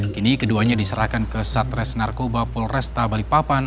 kini keduanya diserahkan ke satres narkoba polresta balikpapan